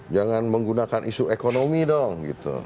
jangan menggunakan isu ekonomi dong gitu